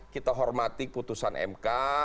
kita hormati putusan mk